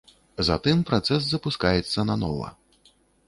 Затым працэс запускаецца нанова.